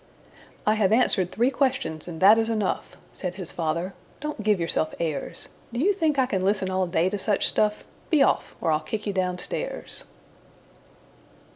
"I have answered three questions, and that is enough," Said his father. "Don't give yourself airs! Do you think I can listen all day to such stuff? Be off, or I'll kick you down stairs.